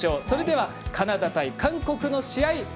それではカナダ対韓国の試合。